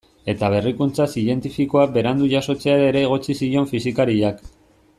Eta berrikuntza zientifikoak berandu jasotzea ere egotzi zion fisikariak.